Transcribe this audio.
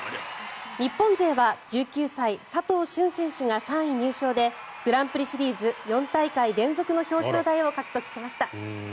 日本勢は１９歳、佐藤駿選手が３位入賞でグランプリシリーズ４大会連続の表彰台を獲得しました。